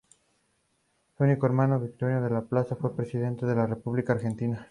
Su único hermano, Victorino de la Plaza, fue presidente de la República Argentina.